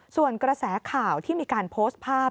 ส่วนกระแสข่าวที่มีการโพสต์ภาพ